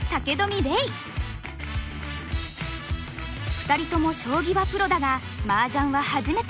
２人とも将棋はプロだがマージャンは初めて。